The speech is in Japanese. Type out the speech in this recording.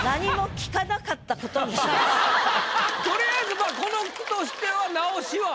とりあえずまあこの句としては直しは。